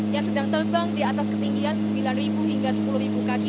yang sedang terbang di atas ketinggian sembilan hingga sepuluh kaki